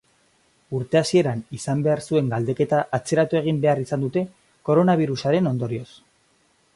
Urte hasieran izan behar zuen galdeketa atzeratu egin behar izan dute koronabirusaren ondorioz.